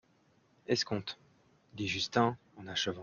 Escompte, dit Justin en achevant.